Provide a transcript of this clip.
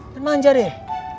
kan manja deh